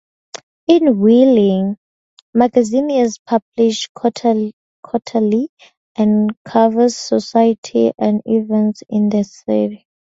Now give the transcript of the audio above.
"In Wheeling" magazine is published quarterly and covers society and events in the city.